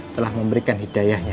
telah memberikan hidayahnya